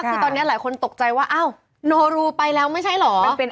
คือตอนนี้หลายคนตกใจว่าอ้าวโนรูไปแล้วไม่ใช่เหรอ